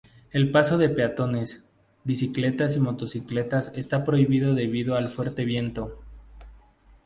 El paso de peatones, bicicletas y motocicletas está prohibido debido al fuerte viento.